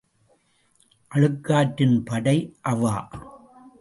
அழுக்காற்றின் படை அவா.